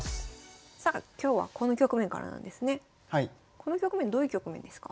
この局面どういう局面ですか？